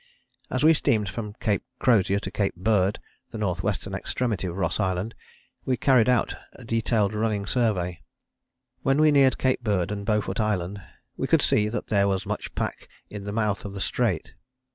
As we steamed from Cape Crozier to Cape Bird, the N.W. extremity of Ross Island, we carried out a detailed running survey. When we neared Cape Bird and Beaufort Island we could see that there was much pack in the mouth of the Strait.